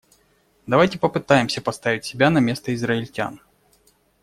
Давайте попытаемся поставить себя на место израильтян.